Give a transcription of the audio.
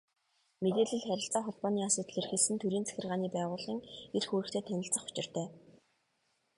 Мэдээлэл, харилцаа холбооны асуудал эрхэлсэн төрийн захиргааны байгууллагын эрх үүрэгтэй танилцах учиртай.